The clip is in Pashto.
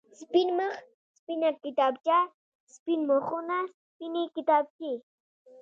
سپين مخ، سپينه کتابچه، سپين مخونه، سپينې کتابچې.